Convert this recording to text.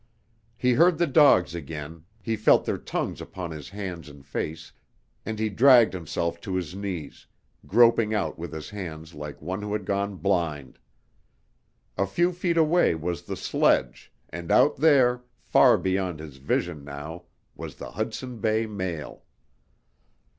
He heard the dogs again, he felt their tongues upon his hands and face, and he dragged himself to his knees, groping out with his hands like one who had gone blind. A few feet away was the sledge, and out there, far beyond his vision now, was the Hudson Bay mail!